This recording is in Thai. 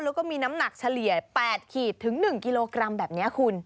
แล้วก็มีน้ำหนักเฉลี่ย๘ขีดถึง๑กิโลกรัมแบบนี้คุณ